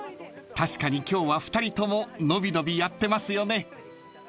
［確かに今日は２人とも伸び伸びやってますよね］